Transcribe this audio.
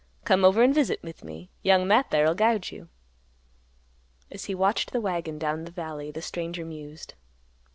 Come over an' visit with me. Young Matt there'll guide you." As he watched the wagon down the valley, the stranger mused.